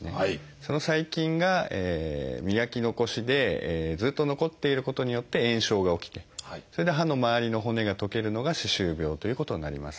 その細菌が磨き残しでずっと残っていることによって炎症が起きてそれで歯の周りの骨が溶けるのが歯周病ということになります。